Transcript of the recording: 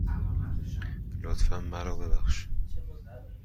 لطفاً من را ببخش.